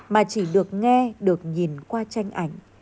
mà chỉ được nghe được nhìn qua tranh ảnh